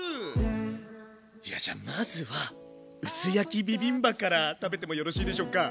いやじゃまずは薄焼きビビンバから食べてもよろしいでしょうか？